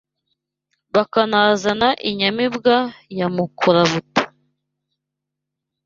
Bakanazana inyamibwa ya Mukora-buta